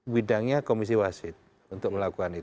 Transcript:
bidangnya komisi wasit untuk melakukan itu